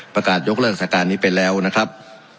ประกาศยกเลิกสถานการณ์นี้ไปแล้วนะครับ